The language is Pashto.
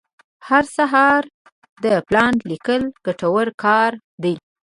هر سهار د پلان لیکل ګټور کار دی.